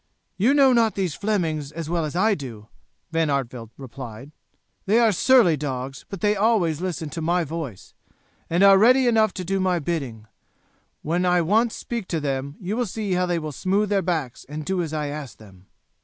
"You know not these Flemings as well as I do," Van Artevelde replied; "they are surly dogs, but they always listen to my voice, and are ready enough to do my bidding. When I once speak to them you will see how they will smooth their backs and do as I ask them."